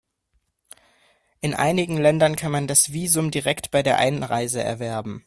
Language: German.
In einigen Ländern kann man das Visum direkt bei der Einreise erwerben.